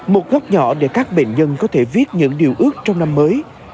một góc nhỏ để các bệnh nhân có thể viết những điều ước trong năm mới